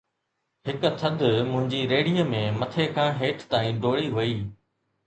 هڪ ٿڌ منهنجي ريڙهيءَ ۾ مٿي کان هيٺ تائين ڊوڙي وئي